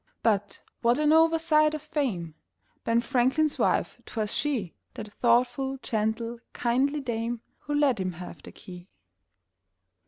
But, what an oversight of Fame! Ben Franklin's wife 'twas she, That thoughtful, gentle, kindly dame, Who let him have the key.